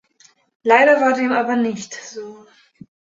Leider war dem aber nicht so.